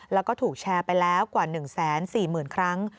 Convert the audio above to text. แล้วก็ถูกแชร์ไปแล้วกว่า๑๔๐๐๐ครั้ง